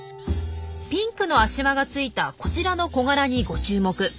ピンクの足輪がついたこちらのコガラにご注目。